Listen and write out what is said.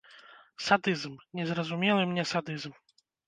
Садызм, незразумелы мне садызм.